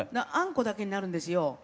あんこだけになるんですよ。